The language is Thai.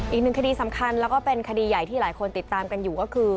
อีกหนึ่งคดีสำคัญแล้วก็เป็นคดีใหญ่ที่หลายคนติดตามกันอยู่ก็คือ